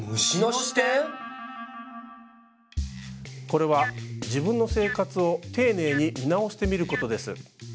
これは自分の生活を丁寧に見直してみることです。